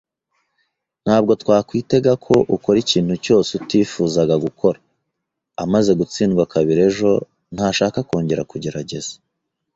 Ntabwo twakwitega ko ukora ikintu cyose utifuzaga gukora. Amaze gutsindwa kabiri ejo, ntashaka kongera kugerageza.